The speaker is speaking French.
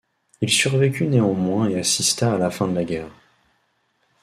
Il survécut néanmoins et assista à la fin de la guerre.